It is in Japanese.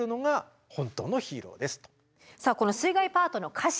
この水害パートの歌詞